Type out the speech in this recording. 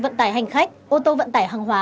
vận tải hành khách ô tô vận tải hàng hóa